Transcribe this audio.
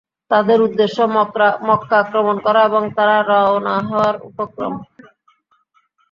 তাদের উদ্দেশ্য মক্কা আক্রমণ করা এবং তারা রওনা হওয়ার উপক্রম।